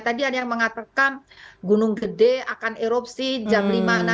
tadi ada yang mengatakan gunung gede akan erupsi jam lima enam